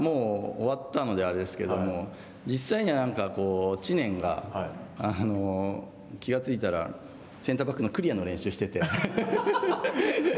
ありましたというかもう終わったのであれですけども、実際にはなんか知念が気が付いたらセンターバックのクリアの練習をしていて。